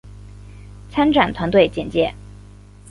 参展团队简介